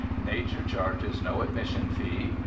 Nature charges no admission fee.